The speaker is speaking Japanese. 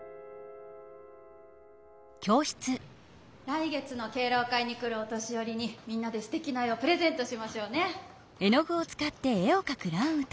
来月の敬老会に来るお年よりにみんなですてきな絵をプレゼントしましょうね。